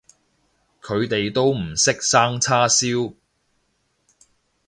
佢哋都唔識生叉燒